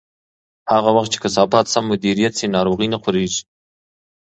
هغه وخت چې کثافات سم مدیریت شي، ناروغۍ نه خپرېږي.